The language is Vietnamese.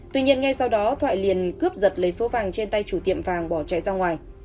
tuy nhiên ngay sau đó thoại liền cướp giật lấy số vàng trên tay chủ tiệm vàng bỏ chạy ra ngoài